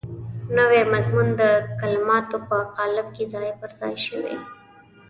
نوی مضمون د کلماتو په قالب کې ځای پر ځای شي.